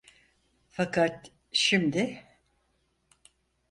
Fakat, şimdi...